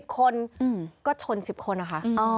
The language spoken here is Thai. คนก็ชน๑๐คนนะคะ